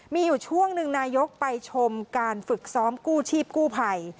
มีอยู่ช่วงหนึ่งนายกไปชมการฝึกซ้อมกู้ชีพกู้ภัย